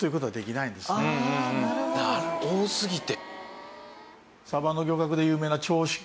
多すぎて。